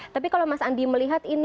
tapi kalau mas andi melihat ini